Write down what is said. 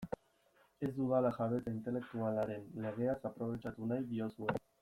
Ez dudala jabetza intelektualaren legeaz aprobetxatu nahi diozue.